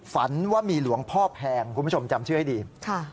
ฝันว่ามีหลวงพ่อแพงคุณผู้ชมจำชื่อให้ดี